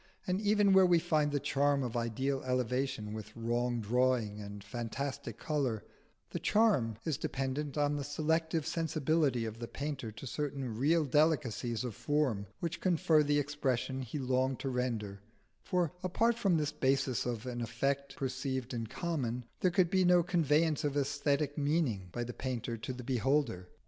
And even where we find the charm of ideal elevation with wrong drawing and fantastic colour, the charm is dependent on the selective sensibility of the painter to certain real delicacies of form which confer the expression he longed to render; for apart from this basis of an effect perceived in common, there could be no conveyance of aesthetic meaning by the painter to the beholder.